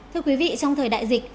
thưa quý vị trong thời đại dịch